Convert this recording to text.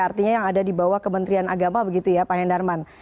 artinya yang ada di bawah kementerian agama begitu ya pak hendarman